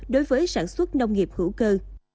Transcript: đối với sản xuất nông nghiệp hữu cơ